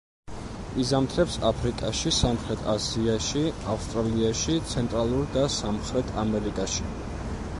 იზამთრებს აფრიკაში, სამხრეთ აზიაში, ავსტრალიაში, ცენტრალურ და სამხრეთ ამერიკაში.